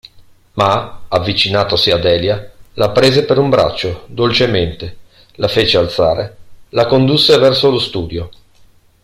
Ma, avvicinatosi a Delia, la prese per un braccio dolcemente, la fece alzare, la condusse verso lo studio.